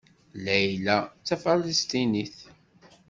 Layla d Tafalesṭinit.